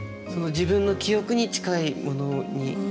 自分の記憶に近いものに。